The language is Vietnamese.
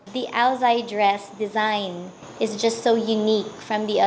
mà cái kiểu kiểu sáng tạo